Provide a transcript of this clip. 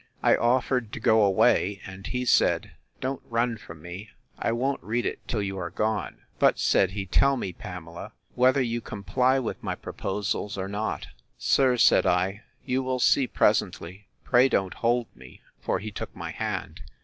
I offered to go away; and he said, Don't run from me; I won't read it till you are gone. But, said he, tell me, Pamela, whether you comply with my proposals, or not? Sir, said I, you will see presently; pray don't hold me; for he took my hand.